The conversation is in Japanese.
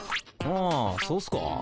あそうっすか？